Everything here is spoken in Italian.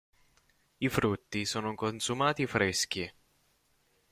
I frutti sono consumati freschi.